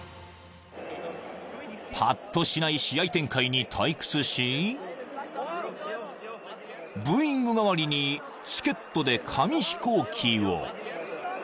［ぱっとしない試合展開に退屈しブーイング代わりにチケットで紙飛行機を］